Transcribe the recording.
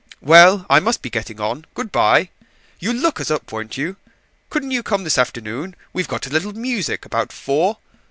Well, I must be getting on. Good bye, you'll look us up, won't you? Couldn't you come this afternoon? we've got a little music about four.